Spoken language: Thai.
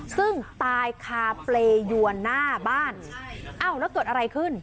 ซึ่งตายคาเปรยวนหน้าบ้านเอ้าแล้วเกิดอะไรขึ้น